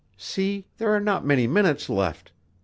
See! there are not many minutes left.